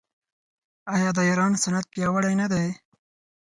آیا د ایران صنعت پیاوړی نه دی؟